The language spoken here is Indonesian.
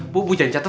bu bu jangan catet bu